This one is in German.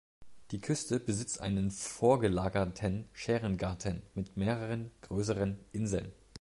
Die Küste besitzt einen vorgelagerten Schärengarten mit mehreren größeren Inseln.